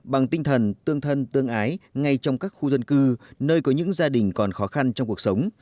bằng tinh thần tương thân tương ái ngay trong các khu dân cư nơi có những gia đình còn khó khăn trong cuộc sống